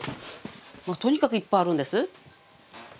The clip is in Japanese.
とにかくいっぱいあるんです。